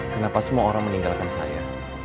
kenapa semua orang meninggalkan saya